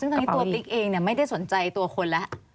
ซึ่งตอนนี้ตัวติ๊กเองไม่ได้สนใจตัวคนแล้ว